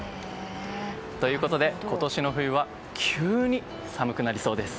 ということで、今年の冬は急に寒くなりそうです。